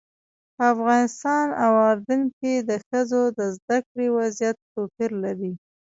په افغانستان او اردن کې د ښځو د زده کړې وضعیت توپیر لري.